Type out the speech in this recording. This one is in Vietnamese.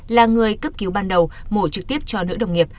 là người cấp cứu ban đầu mổ trực tiếp cho nữ đồng nghiệp